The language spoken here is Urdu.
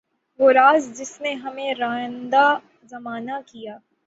وہ راز جس نے ہمیں راندۂ زمانہ کیا